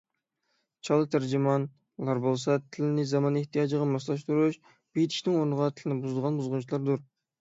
«چالا تەرجىمان»لار بولسا تىلىنى زامان ئىھتىياجىغا ماسلاشتۇرۇش، بېيتىشنىڭ ئورنىغا تىلىنى بۇزىدىغان بۇزغۇنچىلاردۇر.